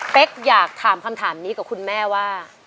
อยากถามคำถามนี้กับคุณแม่ว่า